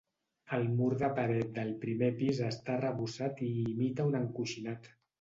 El mur de paret del primer pis està arrebossat i imita un encoixinat.